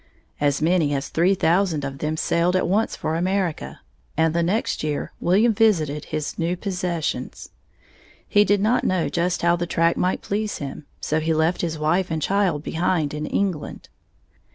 As many as three thousand of them sailed at once for America, and the next year William visited his new possessions. He did not know just how the tract might please him, so he left his wife and child behind, in England.